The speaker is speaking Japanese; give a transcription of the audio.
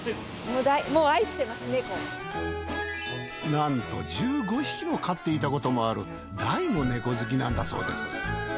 なんと１５匹も飼っていたこともある大のネコ好きなんだそうです。